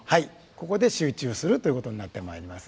ここで集中するということになってまいります。